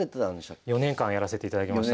４年間やらせていただきました。